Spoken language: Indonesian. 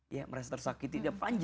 ya merasa tersakiti